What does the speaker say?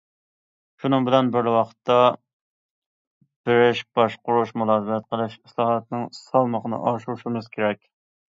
شۇنىڭ بىلەن بىر ۋاقىتتا،« بېرىش، باشقۇرۇش، مۇلازىمەت قىلىش» ئىسلاھاتىنىڭ سالمىقىنى ئاشۇرۇشىمىز كېرەك.